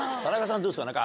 どうですか？